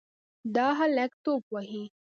دا هلک توپ وهي.